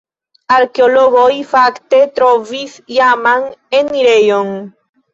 Arkeologoj fakte trovis iaman enirejon.